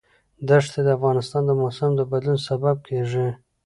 دښتې د افغانستان د موسم د بدلون سبب کېږي.